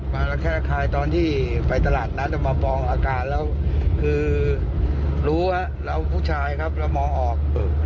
ระแคะระคายตอนที่ไปตลาดนัดมามองอาการแล้วคือรู้ว่าเราผู้ชายครับเรามองออก